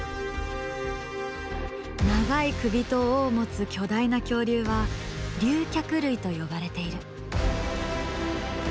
長い首と尾を持つ巨大な恐竜は竜脚類と呼ばれている。